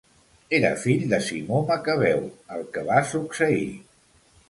Era fill de Simó Macabeu al que va succeir.